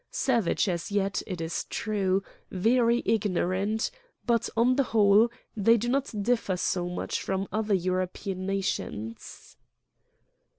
Savage as yet, it is true, very ignorant, but on the whole they do not differ so much from other Euro pean nations."